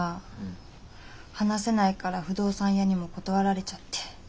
話せないから不動産屋にも断られちゃって。